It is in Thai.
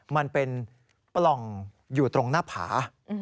มันเป็นปล่องอยู่ตรงหน้าผา